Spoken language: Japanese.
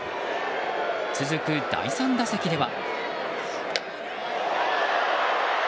続く第３打席では。